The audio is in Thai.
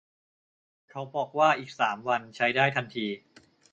เขาบอกว่าอีกสามวันใช้ได้ทันที